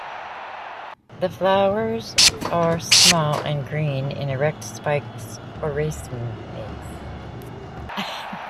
The flowers are small and green in erect spikes or racemes.